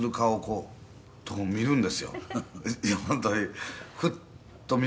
うん。